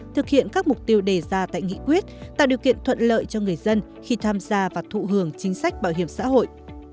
thực hiện các mục tiêu đề ra tại nghị quyết tạo điều kiện thuận lợi cho người dân khi tham gia và thụ hưởng chính sách bảo hiểm xã hội